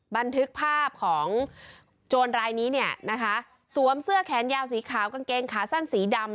บันทึกภาพของโจรรายนี้เนี่ยนะคะสวมเสื้อแขนยาวสีขาวกางเกงขาสั้นสีดำ